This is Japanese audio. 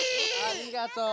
ありがとう。